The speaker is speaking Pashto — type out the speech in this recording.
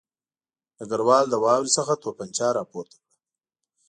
ډګروال له واورې څخه توپانچه راپورته کړه